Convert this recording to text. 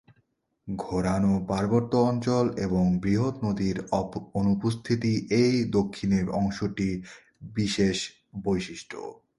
ঘোরানো পার্বত্য অঞ্চল এবং বৃহৎ নদীর অনুপস্থিতি এই দক্ষিণের অংশটির বিশেষ বৈশিষ্ট্য।